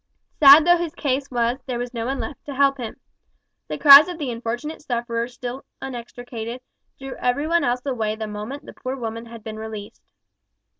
Sad though his case was, there was no one left to help him. The cries of the unfortunate sufferers still unextricated, drew every one else away the moment the poor woman had been released.